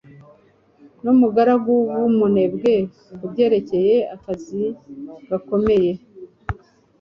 n'umugaragu w'umunebwe ku byerekeye akazi gakomeye